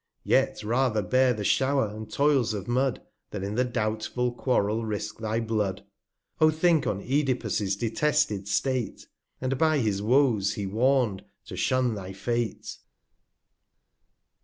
Yet rather bear the Show'r, and Toils of Mud, Than in the doubtful Quarrel risque thy Blood. TRIVIA 41 O think on OEdipus' detested State, 215 And by his Woes he warn'd to shun thy Fate.